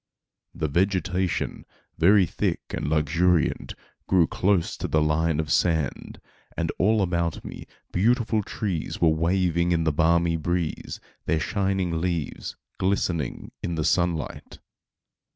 The vegetation, very thick and luxuriant, grew close to the line of sand, and all around me, beautiful trees were waving in the balmy breeze, their shining leaves glistening in the sunlight.